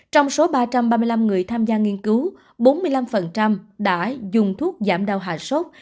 trong số ba trăm ba mươi năm người tham gia nghiên cứu bốn mươi năm đã dùng thuốc giảm đau hạ sốt